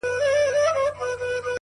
هغه وكړې سوگېرې پــه خـاموشـۍ كي؛